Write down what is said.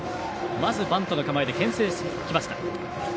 まずバントの構えでけん制してきました。